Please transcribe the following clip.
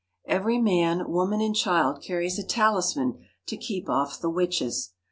Every man, woman, and child car ries a talisman to keep off the witches.